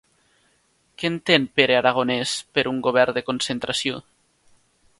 Què entén Pere Aragonès per un govern de concentració?